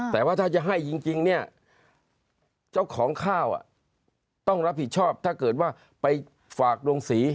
แต่ว่าถ้าจะให้จริงเนี่ยเจ้าของข้าวต้องรับผิดชอบถ้าเกิดว่าไปฝากโรงศรี